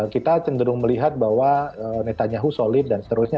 kita cenderung melihat bahwa netanyahu solid dan seterusnya